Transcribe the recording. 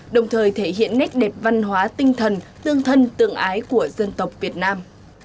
đồng thời thể hiện nét đẹp văn hóa tinh thần tương thân tương ái của dân tộc việt nam